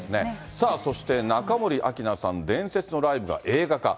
さあ、そして中森明菜さん、伝説のライブが映画化。